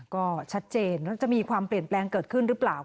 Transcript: ก็ชัดเจนแล้วจะมีความเปลี่ยนแปลงเกิดขึ้นหรือเปล่า